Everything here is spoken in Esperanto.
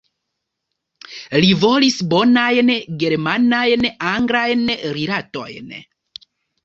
Li volis bonajn germanajn-anglajn rilatojn.